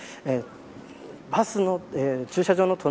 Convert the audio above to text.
バスの駐車場の隣